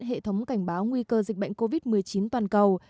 hệ thống cảnh báo nguy cơ dịch bệnh covid một mươi chín toàn cầu